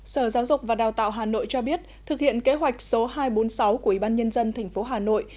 sở giáo dục và đào tạo hà nội cho biết thực hiện kế hoạch số hai trăm bốn mươi sáu của ủy ban nhân dân tp hà nội